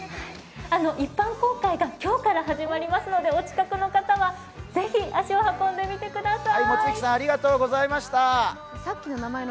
一般公開が今日から始まりますので、お近くの方はぜひ足を運んでみてください。